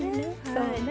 そうね。